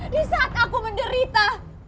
di saat aku menderita